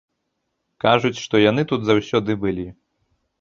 Кажуць, што яны тут заўсёды былі.